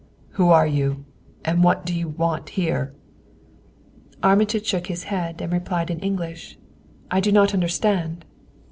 "Who are you and what do you want here?" Armitage shook his head; and replied in English: "I do not understand."